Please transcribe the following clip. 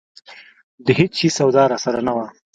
د هېڅ شي سودا راسره نه وه.